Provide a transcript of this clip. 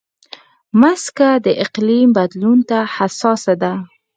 مځکه د اقلیم بدلون ته حساسه ده.